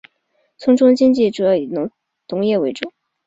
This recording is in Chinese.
村中经济主要以农业为主。